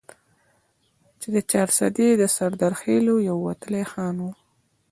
چې د چارسدي د سردرخيلو يو وتلے خان وو ،